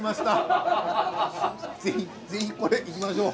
ぜひこれいきましょう。